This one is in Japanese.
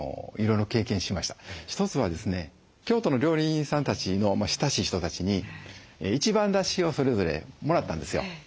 一つはですね京都の料理人さんたちの親しい人たちに一番だしをそれぞれもらったんですよ。